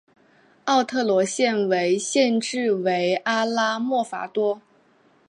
奥特罗县的县治为阿拉莫戈多。